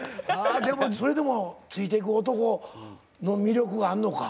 でもそれでもついていく男の魅力があんのか。